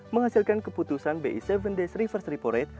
menghasilkan keputusan bi tujuh days reverse repo rate